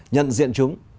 nhận diện chúng